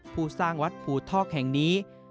ผู้สร้างวัดภูทอกแห่งนี้